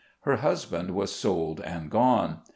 Her husband was sold and gone.